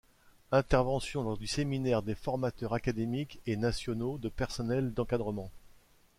Intervention lors du séminaire des formateurs académiques et nationaux de personnels d'encadrement.